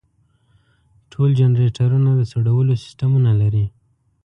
ټول جنریټرونه د سړولو سیستمونه لري.